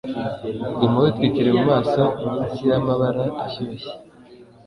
Guma witwikiriye mumaso munsi yamabara ashyushye